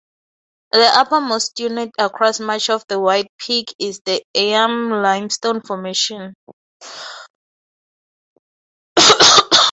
The uppermost unit across much of the White Peak is the Eyam Limestone Formation.